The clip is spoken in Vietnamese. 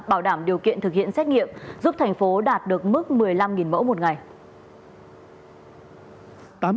bảo đảm điều kiện thực hiện xét nghiệm giúp thành phố đạt được mức một mươi năm mẫu một ngày